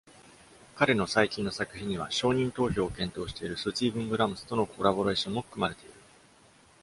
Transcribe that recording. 彼の最近の作品には、承認投票を検討しているスティーブン・ブラムスとのコラボレーションも含まれている。